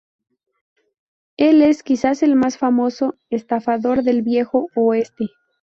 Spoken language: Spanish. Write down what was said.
Él es quizás el más famoso estafador del Viejo Oeste.